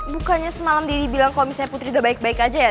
bukannya semalam daddy bilang kalo misalnya putri udah baik baik aja ya ayah